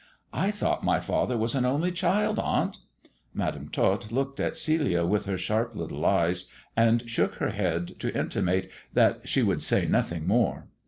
" I thought my father was an only child, aunt !" Madam Tot looked at Celia with her sharp little eyes, and shook her head to intimate that she would say nothing more.